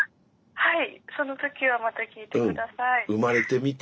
はい。